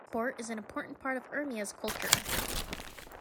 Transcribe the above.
Sport is an important part of Urmia's culture.